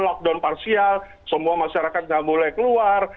lockdown parsial semua masyarakat nggak boleh keluar